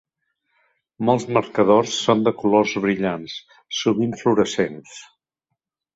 Molts marcadors són de colors brillants, sovint fluorescents.